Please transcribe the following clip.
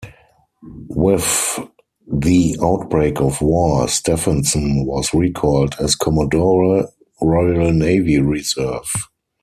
With the outbreak of war, Stephenson was recalled as Commodore, Royal Navy Reserve.